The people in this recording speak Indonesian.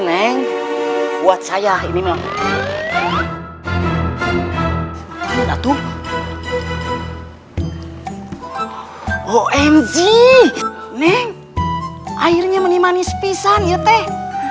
neng buat saya ini memang itu omg neng akhirnya menimanis pisan ya teh